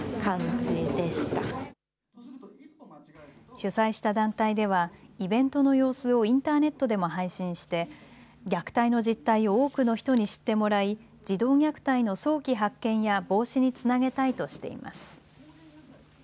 主催した団体ではイベントの様子をインターネットでも配信して虐待の実態を多くの人に知ってもらい児童虐待の早期発見や防止につなげたいとしています。